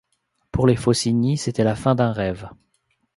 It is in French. Pour les Faucigny, c'était la fin d'un rêve.